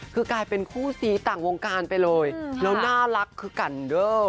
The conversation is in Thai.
คือกลายเป็นคู่ซีต่างวงการไปเลยแล้วน่ารักคือกันเด้อ